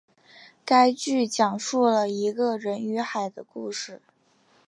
该剧讲述了一个人与海的故事。